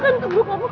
padahal runda maa